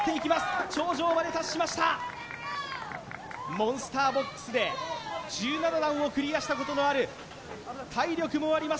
モンスターボックスで１７段をクリアしたことのある体力もあります